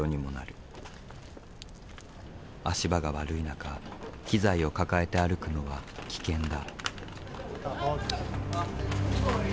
足場が悪い中機材を抱えて歩くのは危険だ。